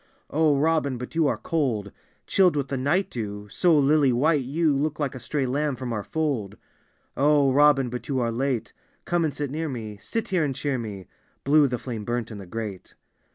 "O Robin, but you are cold — Chilled with the night dew; so lily white you Look like a stray lamb from our fold. " O Robin, but you are late : Come and sit near me — sit here and cheer me." — (Blue the flame burnt in the grate.)